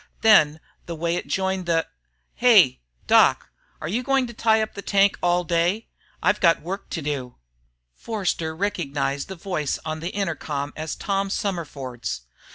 Then the way it joined the "Hey, Doc are you going to tie up the tank all day? I've got work to do." Forster recognized the voice on the intercom as Tom Summerford's.